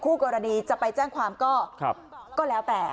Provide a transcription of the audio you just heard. กรณีจะไปแจ้งความก็แล้วแต่